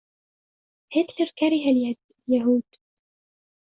هتلر كره اليهود.